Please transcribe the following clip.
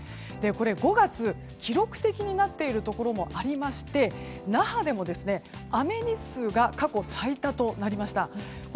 ５月、記録的になっているところもありまして那覇での雨日数が過去最多となりました。